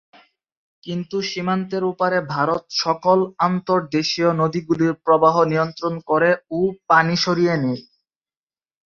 কিন্তু সীমান্তের ওপারে ভারত সকল আন্তর্দেশীয় নদীগুলির প্রবাহ নিয়ন্ত্রণ করে ও পানি সরিয়ে নেয়।